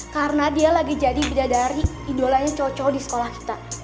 karena dia lagi jadi bidadari idolanya cocok di sekolah kita